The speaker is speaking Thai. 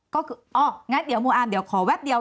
ก็งั้นหมู่อาร์มเดี๋ยวขอแวบเดียว